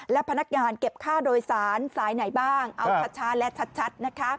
และพนักงานเก็บค่าโดยสารสายไหนบ้างเอาชัดและชัดนะคะ